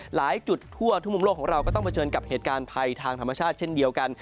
หลายจุดทั่วทุกมุมโลกของเราก็ต้องเผชิญกับเหตุการณ์ภัยทางธรรมชาติเช่นเดียวกัน